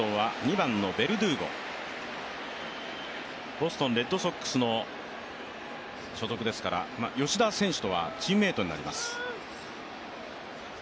ボストン・レッドソックスの所属ですから吉田選手とはチームメイトになります。